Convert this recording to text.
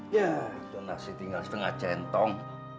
ya itu nasi tinggal setengah centong